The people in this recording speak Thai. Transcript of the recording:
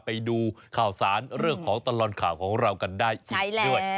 ไปดูข่าวสารเรื่องของตลอดข่าวของเรากันได้อีกด้วย